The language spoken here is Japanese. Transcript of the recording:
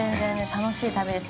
楽しい旅です。